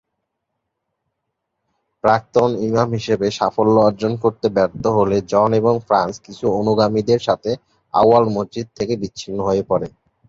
প্রাক্তন ইমাম হিসাবে সাফল্য অর্জন করতে ব্যর্থ হলে জন এবং ফ্রান্স কিছু অনুগামীদের সাথে আউয়াল মসজিদ থেকে বিচ্ছিন্ন হয়ে পড়ে।